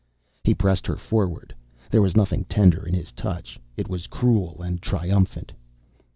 He pressed her forward. There was nothing tender in his touch: it was cruel and triumphant.